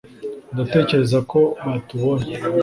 ndatekereza ko batubonye